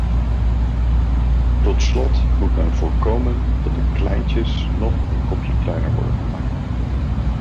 Tot slot moet men voorkomen dat de kleintjes nog een kopje kleiner worden gemaakt.